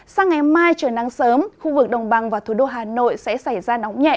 sang ngày mai trời nắng sớm khu vực đồng bằng và thủ đô hà nội sẽ xảy ra nóng nhẹ